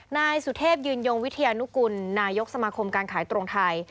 นายสุเทพยืนยงวิทยานุกุลนายกสมาคมการขายตรงไทย